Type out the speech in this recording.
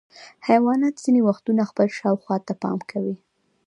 حیوانات ځینې وختونه خپل شاوخوا ته پام کوي.